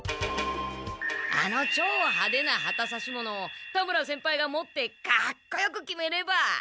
あの超ハデな旗差し物を田村先輩が持ってかっこよく決めれば。